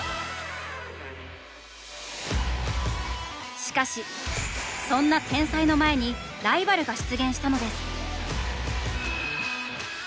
しかしそんな天才の前にライバルが出現したのです！